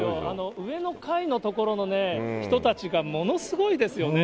上の階のところのね、人たちがものすごいですよね。